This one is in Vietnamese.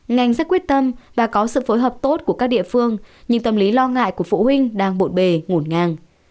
ngành rất quyết tâm và có sự phối hợp tốt của các địa phương nhưng tâm lý lo ngại của phụ huynh đang bộn bề ngổn ngang